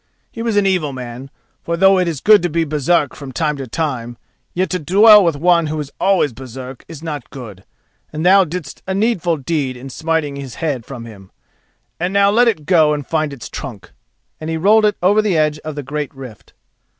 He was an evil man, for though it is good to be Baresark from time to time, yet to dwell with one who is always Baresark is not good, and thou didst a needful deed in smiting his head from him—and now let it go to find its trunk," and he rolled it over the edge of the great rift.